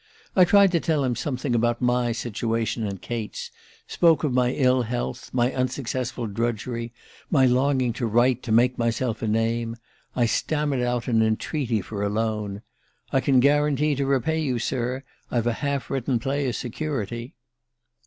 I tried to tell him something about my situation and Kate's spoke of my ill health, my unsuccessful drudgery, my longing to write, to make myself a name I stammered out an entreaty for a loan. 'I can guarantee to repay you, sir I've a half written play as security...